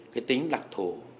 cái tính đặc thù